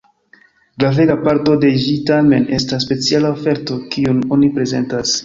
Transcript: Gravega parto de ĝi tamen estas speciala oferto, kiun oni prezentas.